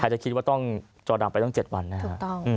ใครจะคิดว่าต้องจอดับไปตั้งเจ็ดวันนะฮะถูกต้อง